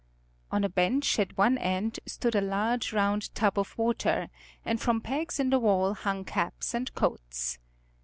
On a bench at one end stood a large round tub of water and from pegs in the wall hung caps and coats.